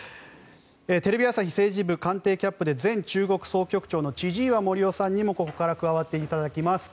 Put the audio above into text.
テレビ朝日政治部官邸キャップで前中国総局長の千々岩森生さんにもここから加わっていただきます。